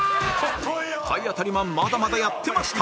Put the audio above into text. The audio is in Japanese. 体当たりマンまだまだやってました